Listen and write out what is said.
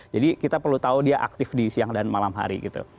jadi kita perlu tahu dia aktif di siang dan malam hari gitu